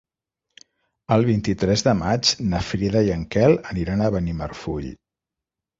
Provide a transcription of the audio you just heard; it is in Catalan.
El vint-i-tres de maig na Frida i en Quel aniran a Benimarfull.